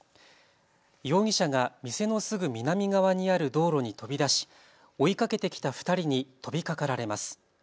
容疑者が店のすぐ南側にある道路に飛び出し追いかけてきた２人に飛びかかられます。